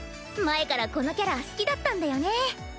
前からこのキャラ好きだったんだよね。